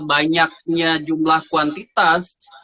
banyaknya jumlah kuantitas